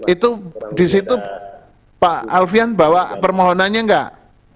itu disitu pak alfian bawa permohonannya enggak